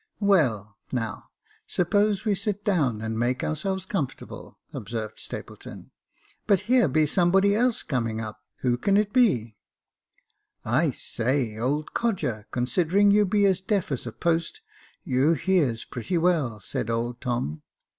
" Well, now, suppose we sit down and make ourselves Jacob Faithful 227 comfortable," observed Stapleton; "but here be some body else coming up — who can it be ?"" I say, old codger, considering you be as deaf as a post, you hears pretty well," said old Tom.